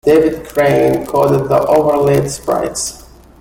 David Crane coded the overlaid sprites.